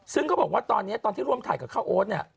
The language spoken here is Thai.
ซึ่งเขาบอกว่าตอนนี้ตอนที่ร่วมถ่ายกับข้าวโอ๊ตเนี่ย